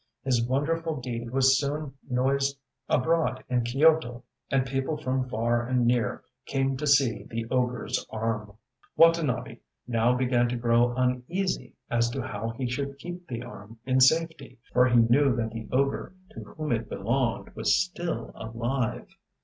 His wonderful deed was soon noised abroad in Kyoto, and people from far and near came to see the ogreŌĆÖs arm. Watanabe now began to grow uneasy as to how he should keep the arm in safety, for he knew that the ogre to whom it belonged was still alive.